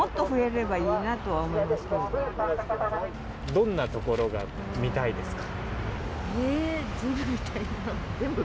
どんなところが見たいですか？